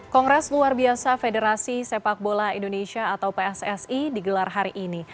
kongres luar biasa federasi sepak bola indonesia atau pssi digelar hari ini